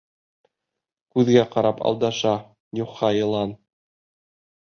Күҙгә ҡарап алдаша, юха йылан.